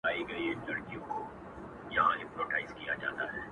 • دا څه كوو چي دې نړۍ كي و اوســــو يـوازي.